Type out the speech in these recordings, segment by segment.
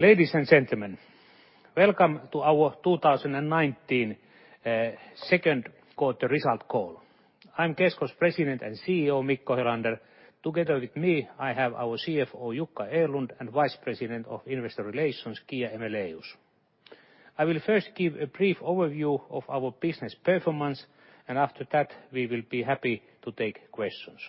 Ladies and gentlemen, welcome to our 2019 second quarter result call. I'm Kesko's President and CEO, Mikko Helander. Together with me, I have our CFO, Jukka Erlund, and Vice President of Investor Relations, Kia Aejmelaeus. I will first give a brief overview of our business performance. After that, we will be happy to take questions.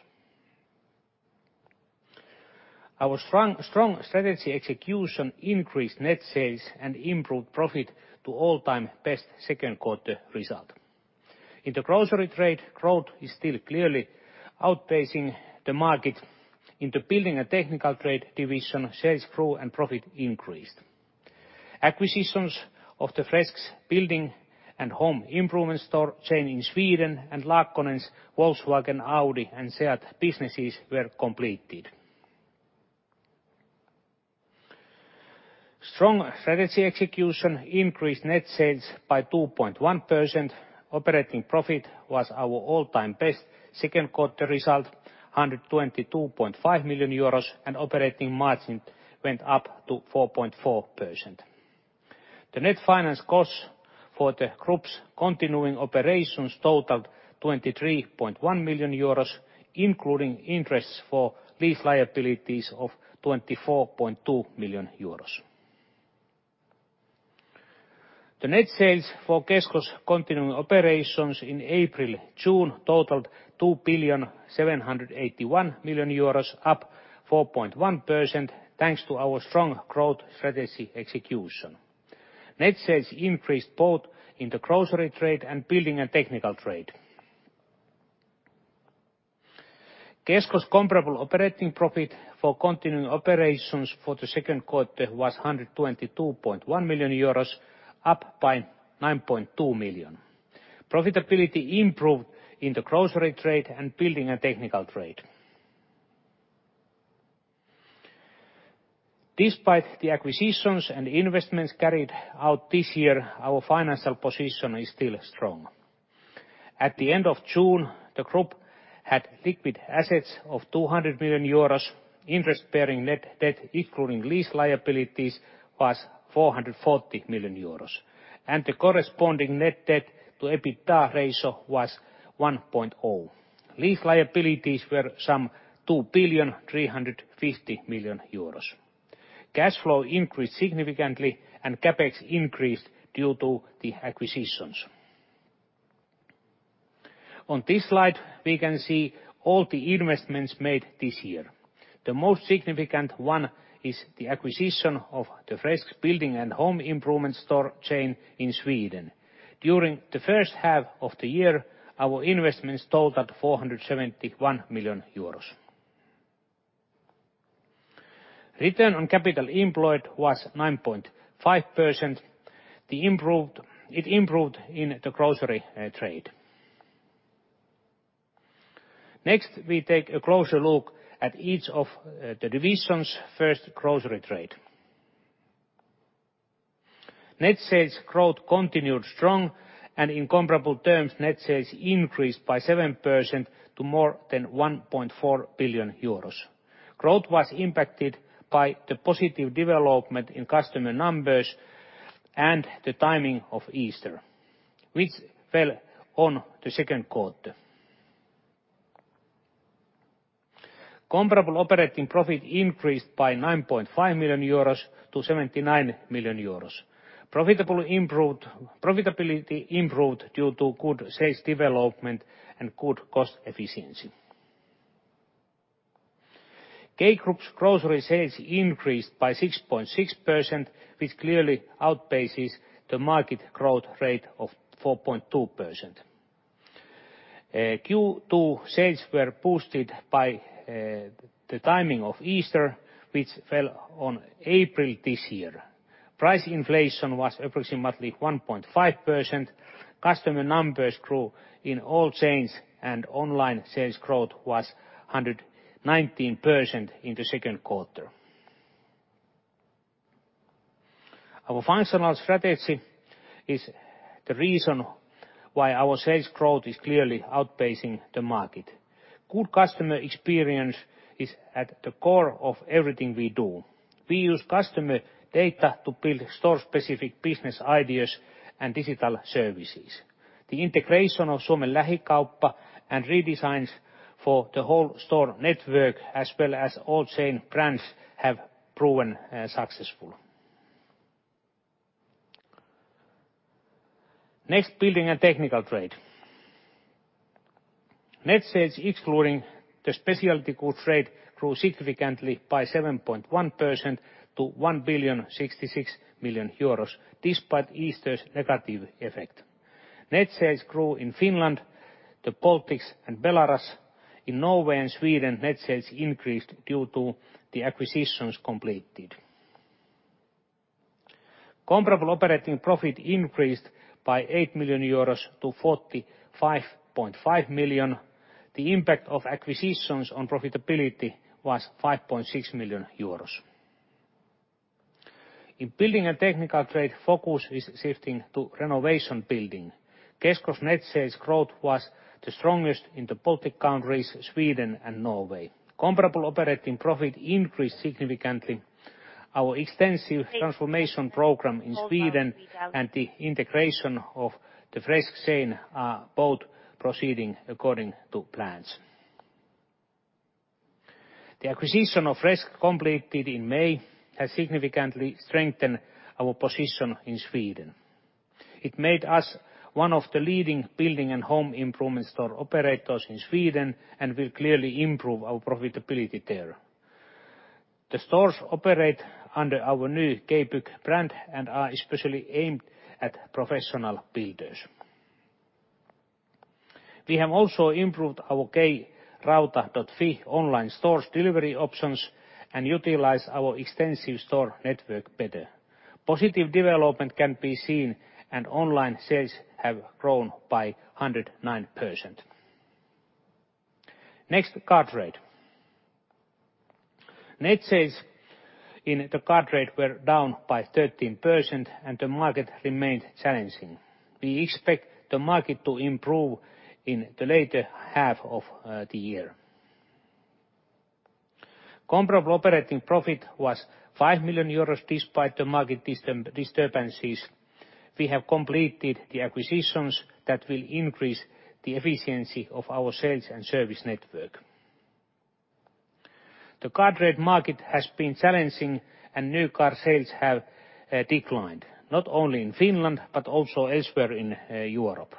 Our strong strategy execution increased net sales and improved profit to all-time best second quarter result. In the grocery trade, growth is still clearly outpacing the market into Building and Technical Trade Division, sales grew and profit increased. Acquisitions of the Fresks building and home improvement store chain in Sweden and Laakkonen's Volkswagen, Audi, and SEAT businesses were completed. Strong strategy execution increased net sales by 2.1%. Operating profit was our all-time best second quarter result, 122.5 million euros. Operating margin went up to 4.4%. The net finance costs for the group's continuing operations totaled 23.1 million euros, including interests for lease liabilities of 24.2 million euros. The net sales for Kesko's continuing operations in April, June totaled 2,781,000,000 euros, up 4.1%, thanks to our strong growth strategy execution. Net sales increased both in the grocery trade and building and technical trade. Kesko's comparable operating profit for continuing operations for the second quarter was 122.1 million euros, up by 9.2 million. Profitability improved in the grocery trade and building and technical trade. Despite the acquisitions and investments carried out this year, our financial position is still strong. At the end of June, the group had liquid assets of 200 million euros, interest-bearing net debt, including lease liabilities, was 440 million euros, and the corresponding net debt to EBITDA ratio was 1.0. Lease liabilities were some 2,350,000,000 euros. Cash flow increased significantly. CapEx increased due to the acquisitions. On this slide, we can see all the investments made this year. The most significant one is the acquisition of the Fresks building and home improvement store chain in Sweden. During the first half of the year, our investments totaled 471 million euros. Return on capital employed was 9.5%. It improved in the grocery trade. Next, we take a closer look at each of the division's first grocery trade. Net sales growth continued strong, and in comparable terms, net sales increased by 7% to more than 1.4 billion euros. Growth was impacted by the positive development in customer numbers and the timing of Easter, which fell on the second quarter. Comparable operating profit increased by 9.5 million euros to 79 million euros. Profitability improved due to good sales development and good cost efficiency. K Group's grocery sales increased by 6.6%, which clearly outpaces the market growth rate of 4.2%. Q2 sales were boosted by the timing of Easter, which fell on April this year. Price inflation was approximately 1.5%. Customer numbers grew in all chains, and online sales growth was 119% in the second quarter. Our functional strategy is the reason why our sales growth is clearly outpacing the market. Good customer experience is at the core of everything we do. We use customer data to build store-specific business ideas and digital services. The integration of Suomen Lähikauppa and redesigns for the whole store network, as well as all chain brands, have proven successful. Next, Building and Technical Trade. Net sales, excluding the specialty good trade, grew significantly by 7.1% to 1,066,000,000 euros, despite Easter's negative effect. Net sales grew in Finland, the Baltics, and Belarus. In Norway and Sweden, net sales increased due to the acquisitions completed. Comparable operating profit increased by 8 million euros to 45.5 million. The impact of acquisitions on profitability was 5.6 million euros. In Building and Technical Trade, focus is shifting to renovation building. Kesko's net sales growth was the strongest in the Baltic countries, Sweden, and Norway. Comparable operating profit increased significantly. Our extensive transformation program in Sweden and the integration of the Fresks chain are both proceeding according to plans. The acquisition of Fresks, completed in May, has significantly strengthened our position in Sweden. It made us one of the leading building and home improvement store operators in Sweden and will clearly improve our profitability there. The stores operate under our new K-Bygg brand and are especially aimed at professional builders. We have also improved our K-Rauta.fi online store's delivery options and utilize our extensive store network better. Positive development can be seen, and online sales have grown by 109%. Next, Car Trade. Net sales in the Car Trade were down by 13%, and the market remained challenging. We expect the market to improve in the later half of the year. Comparable operating profit was 5 million euros despite the market disturbances. We have completed the acquisitions that will increase the efficiency of our sales and service network. The Car Trade market has been challenging, and new car sales have declined not only in Finland but also elsewhere in Europe.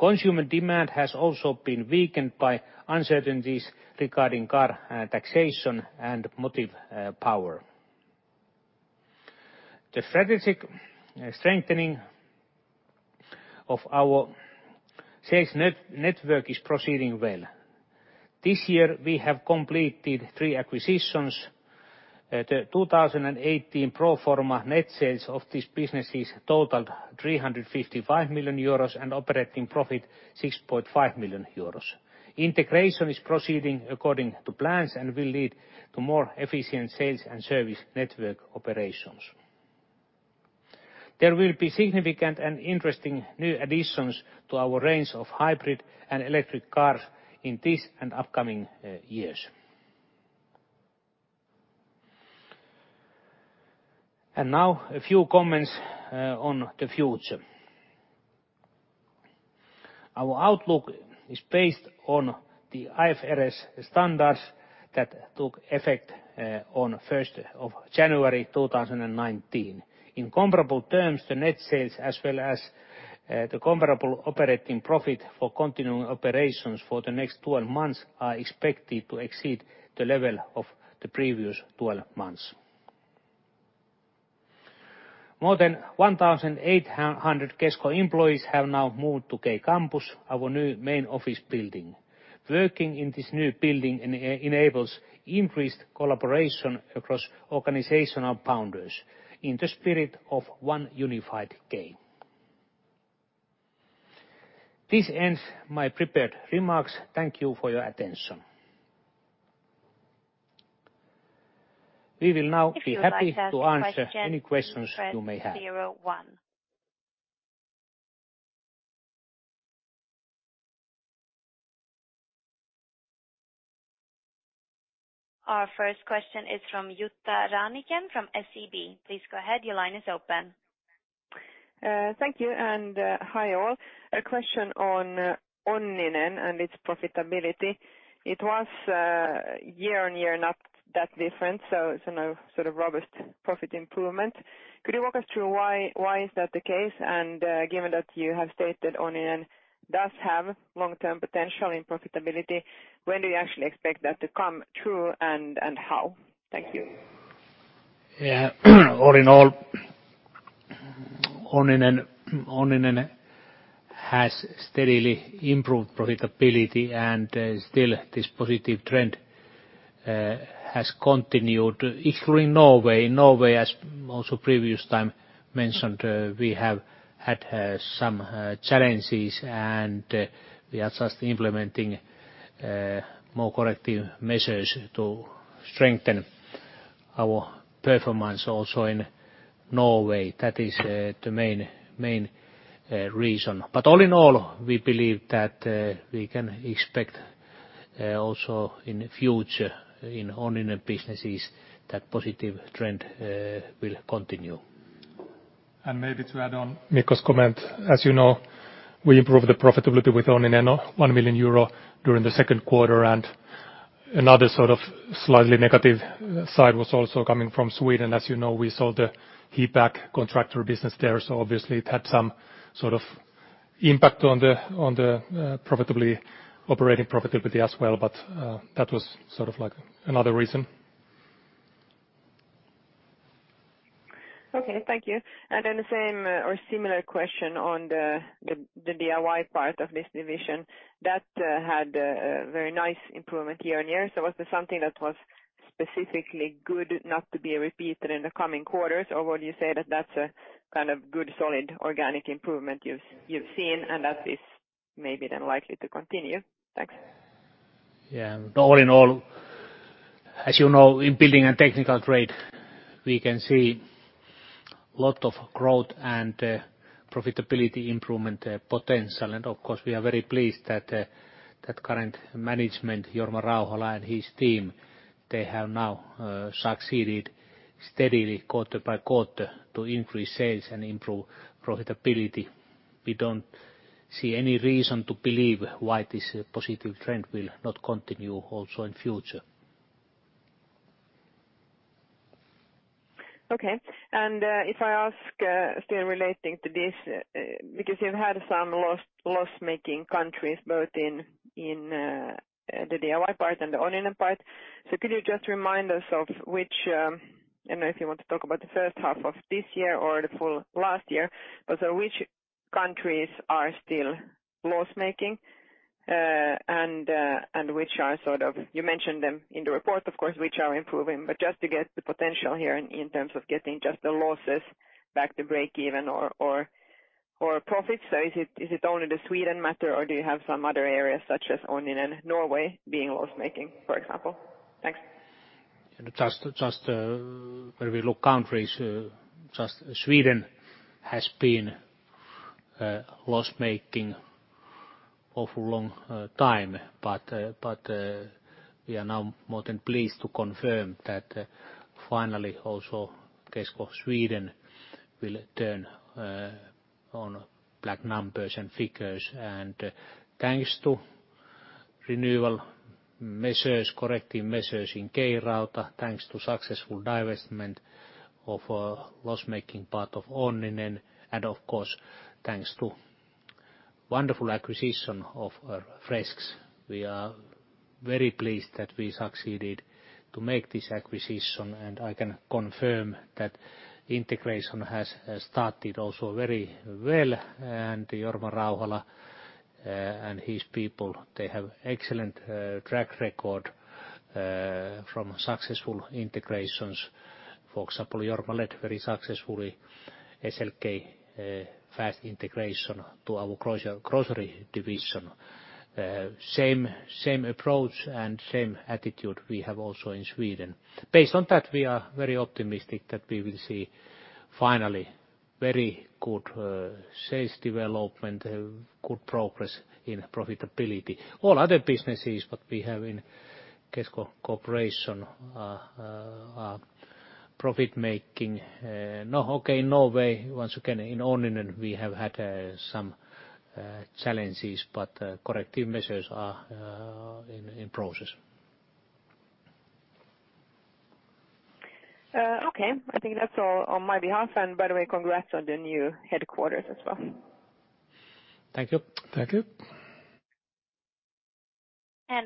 Consumer demand has also been weakened by uncertainties regarding car taxation and motive power. The strategic strengthening of our sales network is proceeding well. This year, we have completed three acquisitions. The 2018 pro forma net sales of these businesses totaled 355 million euros and operating profit 6.5 million euros. Integration is proceeding according to plans and will lead to more efficient sales and service network operations. There will be significant and interesting new additions to our range of hybrid and electric cars in this and upcoming years. Now a few comments on the future. Our outlook is based on the IFRS standards that took effect on 1st of January 2019. In comparable terms, the net sales as well as the comparable operating profit for continuing operations for the next 12 months are expected to exceed the level of the previous 12 months. More than 1,800 Kesko employees have now moved to K Campus, our new main office building. Working in this new building enables increased collaboration across organizational boundaries in the spirit of one unified K. This ends my prepared remarks. Thank you for your attention. We will now be happy to answer any questions you may have. Our first question is from Jutta Ränönen from SEB. Please go ahead. Your line is open. Thank you. Hi, all. A question on Onninen and its profitability. It was year-on-year not that different, no sort of robust profit improvement. Could you walk us through why is that the case? Given that you have stated Onninen does have long-term potential in profitability, when do you actually expect that to come through and how? Thank you. All in all, Onninen has steadily improved profitability. Still, this positive trend has continued, excluding Norway. Norway, as also previous time mentioned, we have had some challenges. We are just implementing more corrective measures to strengthen our performance also in Norway. That is the main reason. All in all, we believe that we can expect also in the future in Onninen businesses, that positive trend will continue. Maybe to add on Mikko's comment, as you know, we improved the profitability with Onninen 1 million euro during the second quarter. Another sort of slightly negative side was also coming from Sweden. As you know, we sold the HEPAC contractor business there, obviously it had some sort of impact on the operating profitability as well. That was sort of like another reason. Okay. Thank you. The same or similar question on the DIY part of this division that had a very nice improvement year-on-year. Was there something that was specifically good not to be repeated in the coming quarters, or would you say that that's a kind of good, solid organic improvement you've seen and that is maybe likely to continue? Thanks. Yeah. All in all, as you know, in Building and Technical Trade, we can see a lot of growth and profitability improvement potential. Of course, we are very pleased that current management, Jorma Rauhala and his team, they have now succeeded steadily quarter by quarter to increase sales and improve profitability. We don't see any reason to believe why this positive trend will not continue also in future. Okay. If I ask, still relating to this, because you've had some loss-making countries, both in the DIY part and the Onninen part. Could you just remind us of which, I don't know if you want to talk about the first half of this year or the full last year, which countries are still loss-making, and which are sort of, you mentioned them in the report of course, which are improving. Just to get the potential here in terms of getting just the losses back to breakeven or profit. Is it only the Sweden matter, or do you have some other areas such as Onninen Norway being loss-making, for example? Thanks. Just where we look countries, just Sweden has been loss-making awful long time. We are now more than pleased to confirm that finally also Kesko Sweden will turn to black numbers and figures. Thanks to renewal measures, corrective measures in K-Rauta, thanks to successful divestment of a loss-making part of Onninen, and of course, thanks to wonderful acquisition of Fresks. We are very pleased that we succeeded to make this acquisition, and I can confirm that integration has started also very well. Jorma Rauhala and his people, they have excellent track record from successful integrations. For example, Jorma led very successfully SLK fast integration to our grocery division. Same approach and same attitude we have also in Sweden. Based on that, we are very optimistic that we will see finally very good sales development, good progress in profitability. All other businesses that we have in Kesko Corporation are profit-making. Okay, Norway, once again, in Onninen, we have had some challenges, but corrective measures are in process. Okay. I think that's all on my behalf. By the way, congrats on the new headquarters as well. Thank you.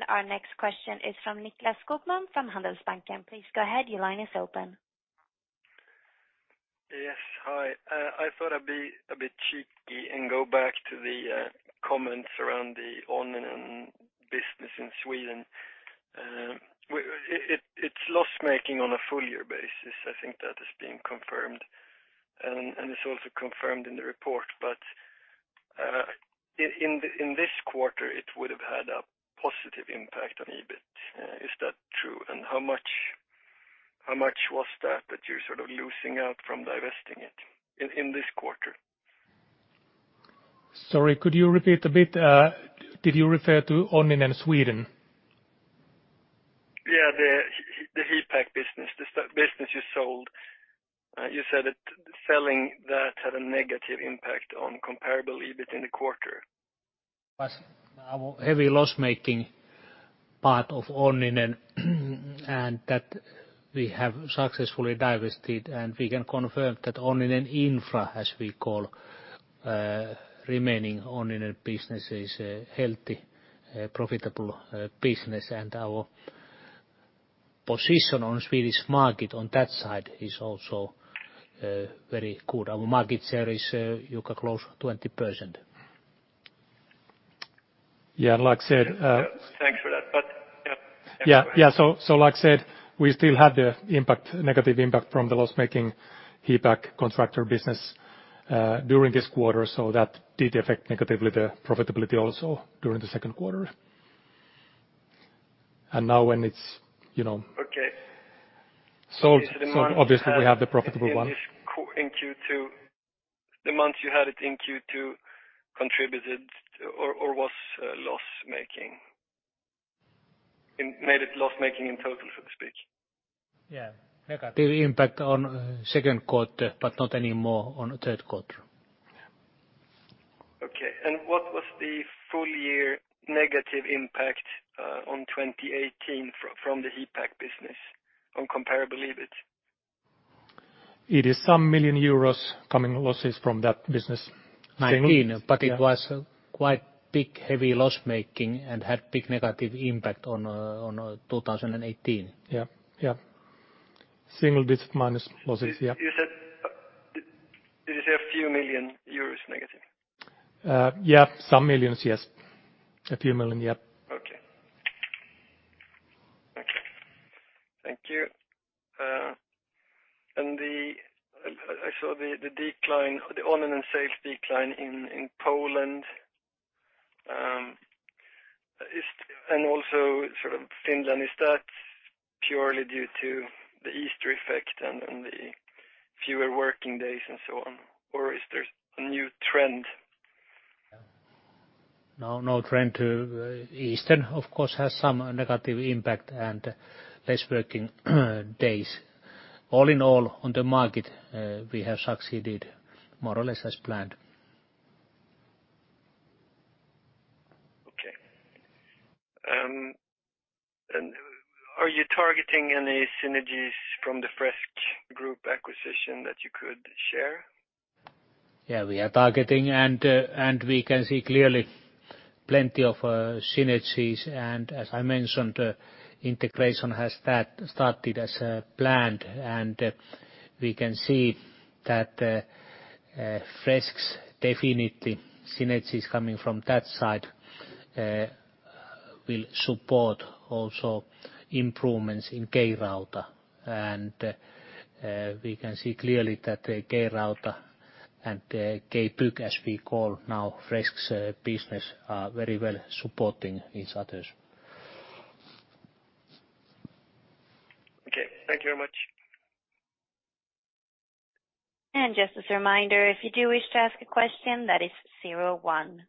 Our next question is from Nicklas Skogman from Handelsbanken. Please go ahead. Your line is open. Yes. Hi. I thought I'd be a bit cheeky and go back to the comments around the Onninen business in Sweden. It's loss-making on a full-year basis. I think that has been confirmed, and it's also confirmed in the report. In this quarter, it would have had a positive impact on EBIT. Is that true? How much was that you're sort of losing out from divesting it in this quarter? Sorry, could you repeat a bit? Did you refer to Onninen Sweden? Yeah, the HEPAC business, this business you sold. You said that selling that had a negative impact on comparable EBIT in the quarter. Was our heavy loss-making part of Onninen and that we have successfully divested, and we can confirm that Onninen Infra, as we call remaining Onninen business, is a healthy profitable business. Our position on Swedish market on that side is also very good. Our market share is Jukka close to 20%. Yeah, like I said. Thanks for that. Yeah. Go ahead. Like I said, we still have the negative impact from the loss-making HEPAC contractor business during this quarter, so that did affect negatively the profitability also during the second quarter. Okay sold, obviously we have the profitable one. In Q2, the months you had it in Q2 contributed or was loss-making? Made it loss-making in total, so to speak. Yeah. Negative impact on second quarter, but not anymore on third quarter. Okay. What was the full year negative impact on 2018 from the HEPAC business on comparable EBIT? It is some million EUR coming losses from that business. 2019, it was quite big, heavy loss-making and had big negative impact on 2018. Yeah. Single-digit minus losses. Yeah. Did you say a few million EUR negative? Yeah. Some millions, yes. A few million, yeah. Okay. Thank you. I saw the Onninen sales decline in Poland. Also, Finland, is that purely due to the Easter effect and the fewer working days and so on? Or is there a new trend? No trend. Easter, of course, has some negative impact and less working days. All in all, on the market, we have succeeded more or less as planned. Okay. Are you targeting any synergies from the Fresks Group acquisition that you could share? Yeah, we are targeting and we can see clearly plenty of synergies. As I mentioned, integration has started as planned, and we can see that Fresks' definitely synergies coming from that side will support also improvements in K-Rauta. We can see clearly that the K-Rauta and the K-Bygg, as we call now Fresks' business, are very well supporting each other. Okay. Thank you very much. Just as a reminder, if you do wish to ask a question, that is 01.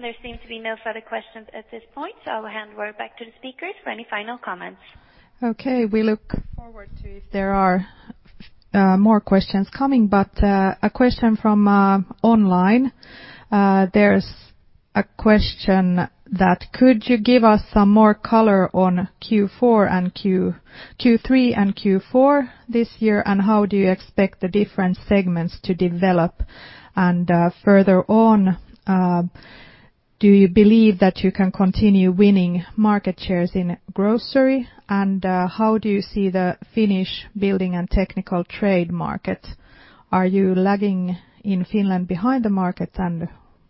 There seem to be no further questions at this point. I'll hand over back to the speakers for any final comments. Okay. We look forward to if there are more questions coming, but a question from online. There's a question that could you give us some more color on Q3 and Q4 this year, and how do you expect the different segments to develop? Further on, do you believe that you can continue winning market shares in grocery? How do you see the Finnish building and technical trade market? Are you lagging in Finland behind the market?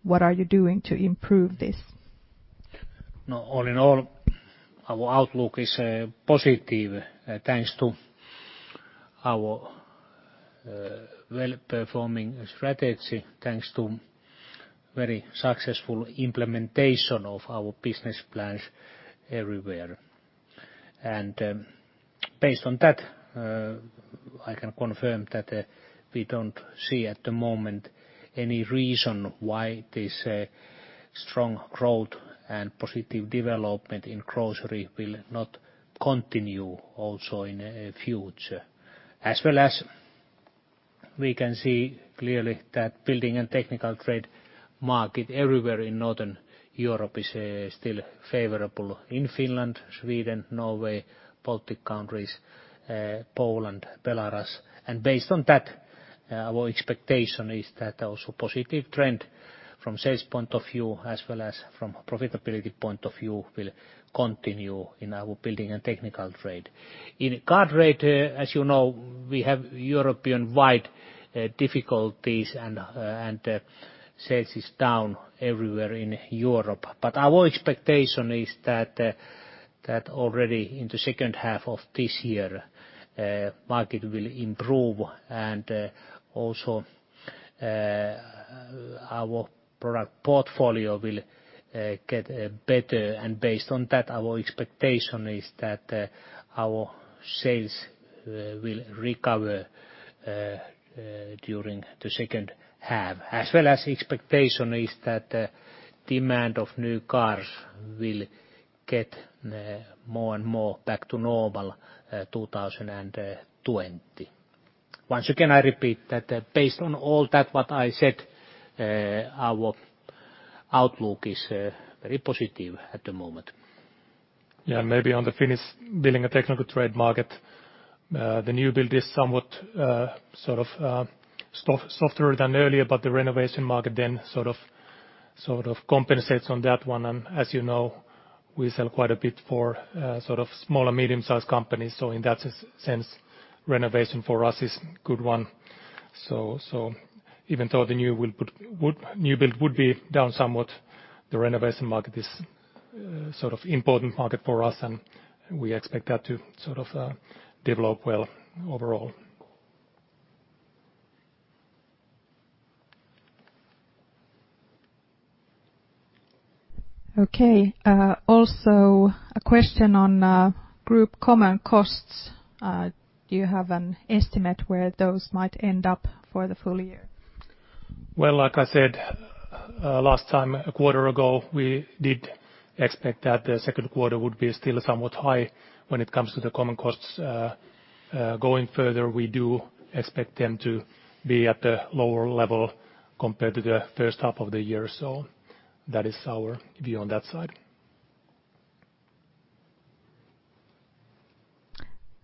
What are you doing to improve this? All in all, our outlook is positive, thanks to our well-performing strategy, thanks to very successful implementation of our business plans everywhere. Based on that, I can confirm that we don't see at the moment any reason why this strong growth and positive development in grocery will not continue also in the future. We can see clearly that Building and Technical Trade market everywhere in Northern Europe is still favorable in Finland, Sweden, Norway, Baltic countries, Poland, Belarus. Based on that, our expectation is that also positive trend from sales point of view as well as from profitability point of view will continue in our Building and Technical Trade. In Car Trade, as you know, we have European-wide difficulties and sales is down everywhere in Europe. Our expectation is that already in the second half of this year, market will improve and also our product portfolio will get better. Based on that, our expectation is that our sales will recover during the second half. Expectation is that demand of new cars will get more and more back to normal 2020. Once again, I repeat that based on all that what I said, our outlook is very positive at the moment. Maybe on the Finnish building and technical trade market, the new build is somewhat softer than earlier, the renovation market then sort of compensates on that one. As you know, we sell quite a bit for small and medium-sized companies. In that sense, renovation for us is good one. Even though the new build would be down somewhat, the renovation market is important market for us, we expect that to develop well overall. Okay. Also a question on group common costs. Do you have an estimate where those might end up for the full year? Like I said last time, a quarter ago, we did expect that the second quarter would be still somewhat high when it comes to the common costs. Going further, we do expect them to be at the lower level compared to the first half of the year. That is our view on that side.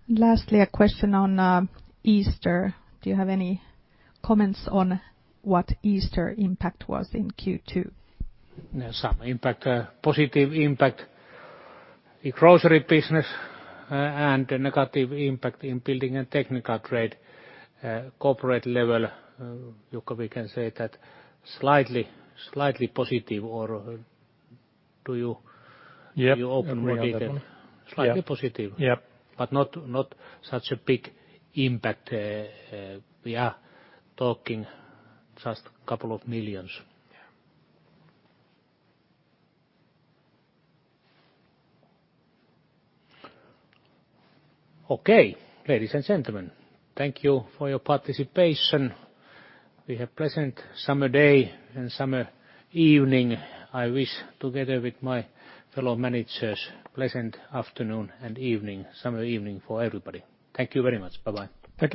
Lastly, a question on Easter. Do you have any comments on what Easter impact was in Q2? Some impact, positive impact in grocery business and a negative impact in Building and Technical Trade. Corporate level, Jukka, we can say that slightly positive, or do you. Yeah Open more detail? Slightly positive. Yeah. Not such a big impact. We are talking just EUR couple of millions. Yeah. Okay. Ladies and gentlemen, thank you for your participation. We have pleasant summer day and summer evening. I wish together with my fellow managers, pleasant afternoon and summer evening for everybody. Thank you very much. Bye-bye.